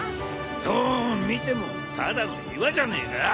どう見てもただの岩じゃねえか！